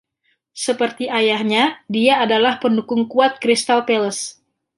Seperti ayahnya, dia adalah pendukung kuat Crystal Palace.